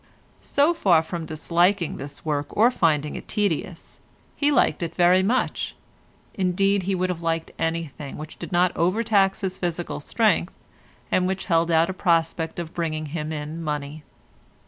So far from disliking this work or finding it tedious, he liked it very much, indeed he would have liked anything which did not overtax his physical strength, and which held out a prospect of bringing him in money.